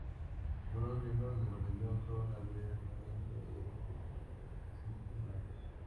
Algunos miembros del batallón son abiertamente supremacistas blancos.